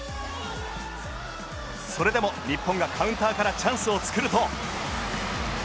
それでも日本がカウンターからチャンスを作ると。